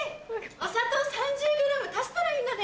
お砂糖３０ｇ足したらいいんだね。